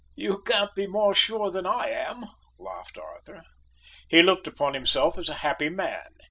"You can't be more sure than I am," laughed Arthur. He looked upon himself as a happy man.